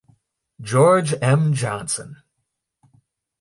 George M. Johnson.